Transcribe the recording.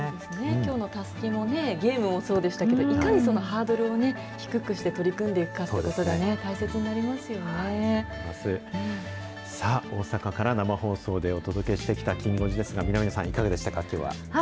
きょうのたすきもね、ゲームもそうでしたけど、いかにハードルを低くして取り組んでいくかっていうことが大切に大阪から生放送でお届けしてきたきん５時ですが、南野さん、いかがでしたか、きょうは。